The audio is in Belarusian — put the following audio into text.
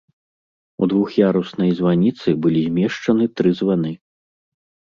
У двух'яруснай званіцы былі змешчаны тры званы.